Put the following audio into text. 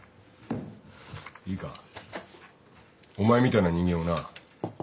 いいかお前みたいな人間をな